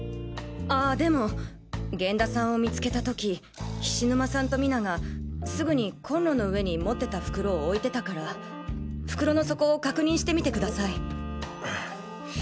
ああでも源田さんを見つけたとき菱沼さんと水菜がすぐにコンロの上に持ってた袋を置いてたから袋の底を確認してみてください。